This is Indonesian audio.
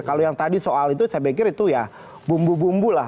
kalau yang tadi soal itu saya pikir itu ya bumbu bumbu lah